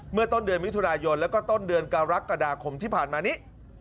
ต้นเดือนมิถุนายนแล้วก็ต้นเดือนกรกฎาคมที่ผ่านมานี้